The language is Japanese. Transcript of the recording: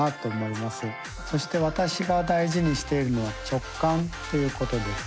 そして私が大事にしているのは直感ということです。